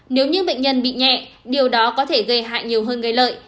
nếu như bệnh nhân bị nhẹ điều đó có thể gây hại nhiều hơn gây lợi